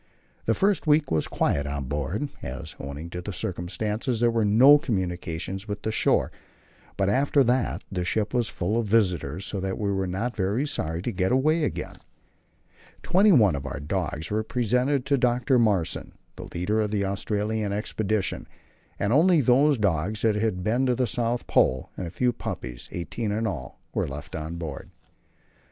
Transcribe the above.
The first week was quiet on board, as, owing to the circumstances, there was no communication with the shore; but after that the ship was full of visitors, so that we were not very sorry to get away again. Twenty one of our dogs were presented to Dr. Mawson, the leader of the Australian expedition, and only those dogs that had been to the South Pole and a few puppies, eighteen in all, were left on board.